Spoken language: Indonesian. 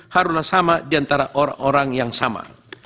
haruna sama diantara orang orang yang sama